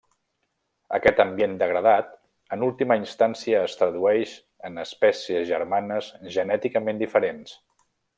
Aquest ambient degradat en última instància es tradueix en espècies germanes genèticament diferents.